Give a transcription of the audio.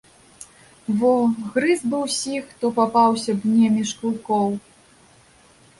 Во, грыз бы ўсіх, хто папаўся б мне між клыкоў.